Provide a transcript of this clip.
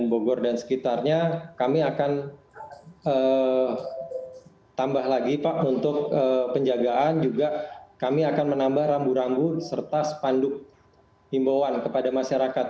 bogor dan sekitarnya kami akan tambah lagi pak untuk penjagaan juga kami akan menambah rambu rambu serta spanduk himbauan kepada masyarakat